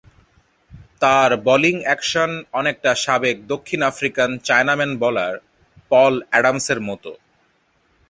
তাঁর bowling action অনেকটা সাবেক দক্ষিণ আফ্রিকান চায়নাম্যান বোলার পল অ্যাডামসের মতো।